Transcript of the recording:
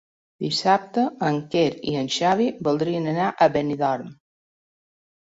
Dissabte en Quer i en Xavi voldrien anar a Benidorm.